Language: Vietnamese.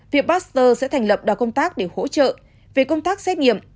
viện pasteur sẽ thành lập đoàn công tác để hỗ trợ về công tác xét nghiệm